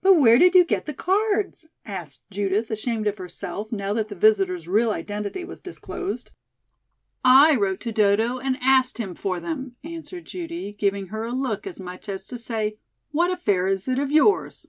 "But where did you get the cards?" asked Judith, ashamed of herself, now that the visitors' real identity was disclosed. "I wrote to Dodo and asked him for them," answered Judy, giving her a look, as much as to say, "What affair is it of yours?"